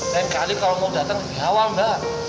lain kali kalau mau datang di awal mbak